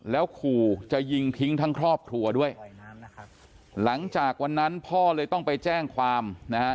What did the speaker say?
แล้วขู่จะยิงทิ้งทั้งครอบครัวด้วยหลังจากวันนั้นพ่อเลยต้องไปแจ้งความนะฮะ